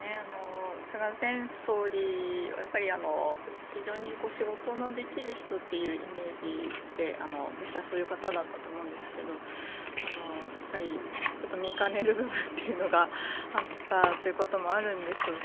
菅前総理は非常に仕事のできる人というイメージで実際、そういう方だったと思いますがちょっと見かねる部分というのがあったということもあるんでしょうし